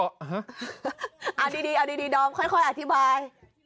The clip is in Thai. เอาดีดอมค่อยอธิบาย